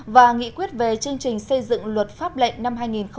và nghị quyết về chương trình xây dựng luật pháp lệnh năm hai nghìn hai mươi